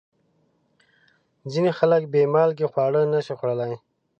ځینې خلک بې مالګې خواړه نشي خوړلی.